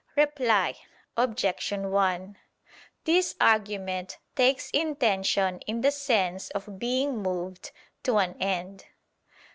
Reply Obj. 1: This argument takes intention in the sense of being moved to an end.